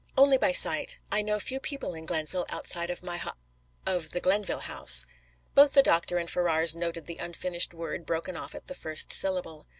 "Only by sight. I know few people in Glenville outside of my ho of the Glenville House." Both the doctor and Ferrars noted the unfinished word broken off at the first syllable.